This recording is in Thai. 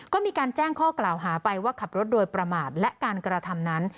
ก็มีการแจ้งข้อกล่าวหาไปว่าขับรถโดยประมาทและการกระทำนั้น